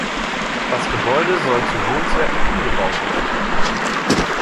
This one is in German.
Das Gebäude soll zu Wohnzwecken umgebaut werden.